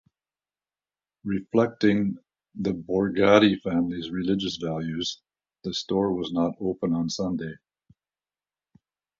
Reflecting the Borgatti family's religious values, the store was not open on Sunday.